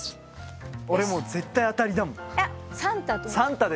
俺もう絶対当たりだもん。